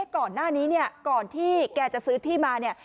ก่อนหน้านี้เนี่ยก่อนที่แกจะซื้อที่มาเนี่ย